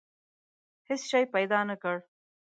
هېڅ شی پیدا نه کړ.